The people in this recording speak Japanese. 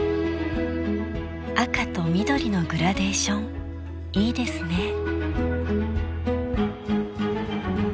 赤と緑のグラデーションいいですね。